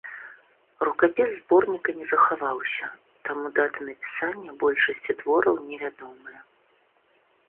Рукапіс зборніка не захаваўся, таму даты напісання большасці твораў невядомыя.